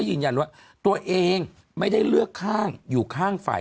ยืนยันว่าตัวเองไม่ได้เลือกข้างอยู่ข้างฝ่าย